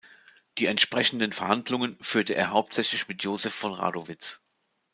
Die entsprechenden Verhandlungen führte er hauptsächlich mit Joseph von Radowitz.